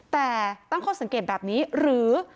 แต่ตั้งข้อสังเกตแบบนี้หรือ